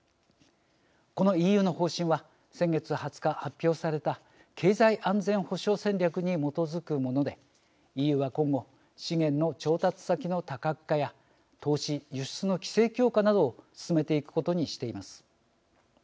このＥＵの方針は先月２０日、発表された経済安全保障戦略に基づくものでＥＵは今後資源の調達先の多角化や投資、輸出の規制強化などを進めていくことにしています。